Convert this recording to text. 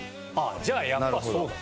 じゃあやっぱそうだ。